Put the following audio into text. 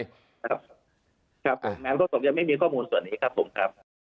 ครับแม่งประสบส่วนแม่งไม่มีข้อมูลส่วนนี้ครับผม